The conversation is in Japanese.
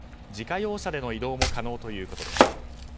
自家用車での移動も可能ということです。